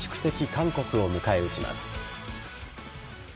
・韓国を迎え撃ちます。